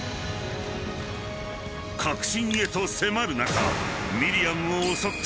［核心へと迫る中ミリアムを襲った］